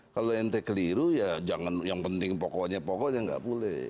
kalau inti keliru ya jangan yang penting pokoknya pokoknya tidak boleh